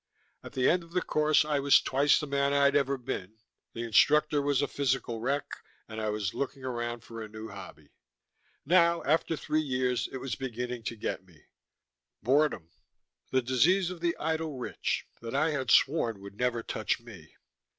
At the end of the course I was twice the man I'd ever been, the instructor was a physical wreck, and I was looking around for a new hobby. Now, after three years, it was beginning to get me: boredom, the disease of the idle rich, that I had sworn would never touch me.